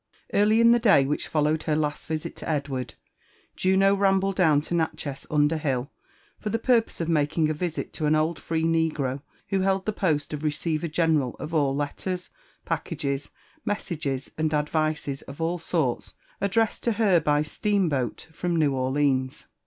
Early in the day which followed her last visit. to Edward, Juno rambled down to Natchez under Hill for the purpose of making a visit to an old free negro who held the post of receiver general of all letters, packages, mesaiSges, and advices of all sorts addressed to her by steam boat from New Orleans.